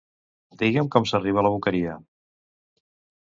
Digue'm com s'arriba a la Boqueria.